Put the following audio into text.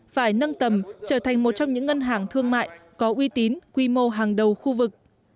phải nâng tầm trở thành một trong những ngân hàng thương mại có uy tín quy mô hàng đầu khu vực